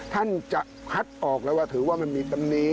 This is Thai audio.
ท่านจะคัดออกแล้วว่าถือว่ามันมีตำนี้